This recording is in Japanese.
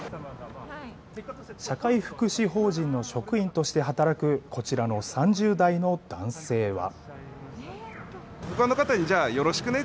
社会福祉法人の職員として働く、こちらの３０代の男性は。